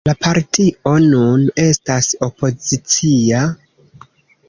La partio nun estas opozicia.